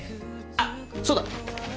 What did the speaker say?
あっそうだ！